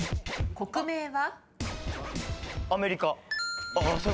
国名は？